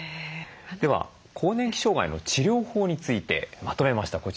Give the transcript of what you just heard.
では更年期障害の治療法についてまとめました。